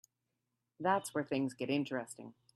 That's where things get interesting.